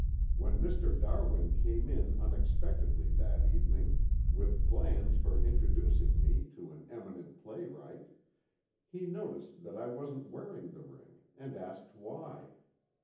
When Mr. Darwin came in unexpectedly that evening with plans for introducing me to an eminent playwright, he noticed that I wasn't wearing the ring, and asked why.